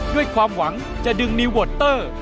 ด้วยความหวังจะดึงนิวเวอร์เตอร์